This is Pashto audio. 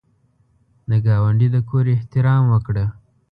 د ګاونډي د کور احترام وکړه